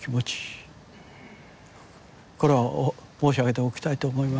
これを申し上げておきたいと思いますね。